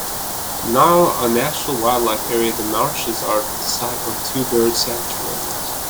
Now a National Wildlife Area the marshes are the site of two bird sanctuaries.